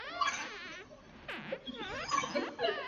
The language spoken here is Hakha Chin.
A lu bua miam muam in a um ko.